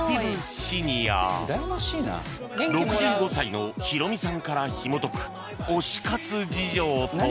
６５歳の Ｈｉｒｏｍｉ さんからひもとく推し活事情とは？